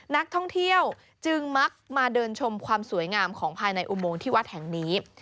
นักท่องเที่ยวจึงมักมาเดินชมความสวยงามของภายในอุโมงที่วัดแห่งนี้